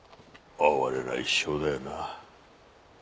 哀れな一生だよな。